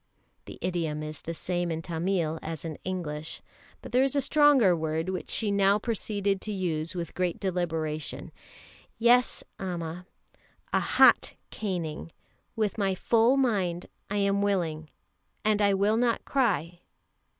(The idiom is the same in Tamil as in English, but there is a stronger word which she now proceeded to use with great deliberation.) "Yes, Amma, a hot caning with my full mind I am willing. And I will not cry.